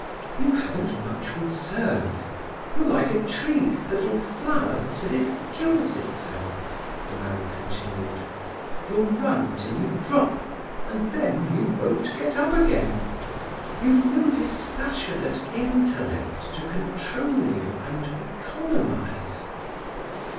"You haven't much reserve. You're like a tree that'll flower till it kills itself," the man continued. "You'll run till you drop, and then you won't get up again. You've no dispassionate intellect to control you and economize."